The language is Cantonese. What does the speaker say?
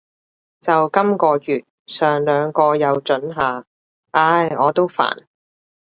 就今个月，上兩個月又准下。唉，我都煩